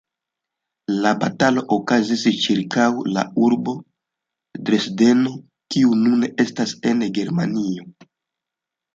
La batalo okazis ĉirkaŭ la urbo Dresdeno, kiu nune estas en Germanio.